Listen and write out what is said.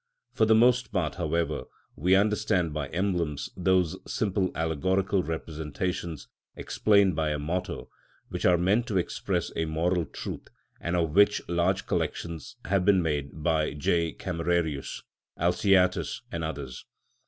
For the most part, however, we understand by emblems those simple allegorical representations explained by a motto, which are meant to express a moral truth, and of which large collections have been made by J. Camerarius, Alciatus, and others.